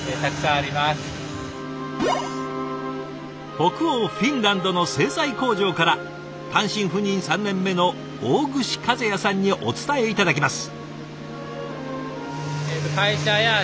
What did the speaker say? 北欧フィンランドの製材工場から単身赴任３年目の大串和也さんにお伝え頂きます。